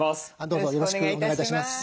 どうぞよろしくお願い致します。